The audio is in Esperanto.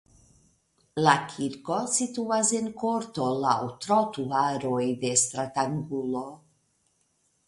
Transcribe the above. La kirko situas en korto laŭ trotuaroj de stratangulo.